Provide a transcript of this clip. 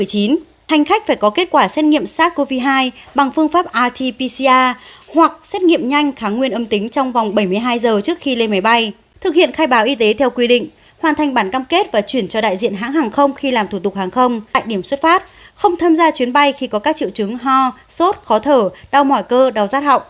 hành khách phải có kết quả xét nghiệm sars cov hai bằng phương pháp rt pcr hoặc xét nghiệm nhanh kháng nguyên âm tính trong vòng bảy mươi hai giờ trước khi lên máy bay thực hiện khai báo y tế theo quy định hoàn thành bản cam kết và chuyển cho đại diện hãng hàng không khi làm thủ tục hàng không tại điểm xuất phát không tham gia chuyến bay khi có các triệu chứng ho sốt khó thở đau mỏi cơ đau rát họng